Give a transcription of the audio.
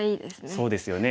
そうですよね。